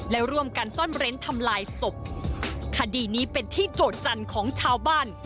และร่วมกันซ่อนเร้นทำลายศพคดีนี้เป็นที่โจทย์จันทร์ของชาวบ้าน